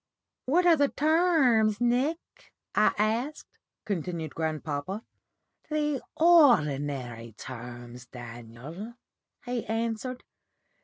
"'What are the terms, Nick?' I asked," continued grandpapa. "'The ordinary terms, Daniel,' he answered.